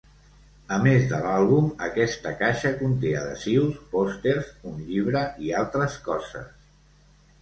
A més de l’àlbum, aquesta caixa conté adhesius, pòsters, un llibre i altres coses.